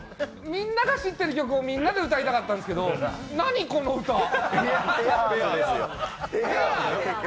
みんなが知ってる曲をみんなで歌いたかったんですけど、何この歌「ペアーズ」？